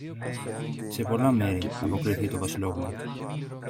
Σε πολλά μέρη, αποκρίθηκε το Βασιλόπουλο.